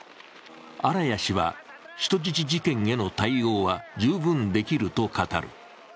荒谷氏は、人質事件への対応は十分できると語る。